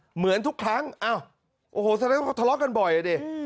เหมือนทุกครั้งอ้าวโอ้โหแสดงว่าทะเลาะกันบ่อยอ่ะดิ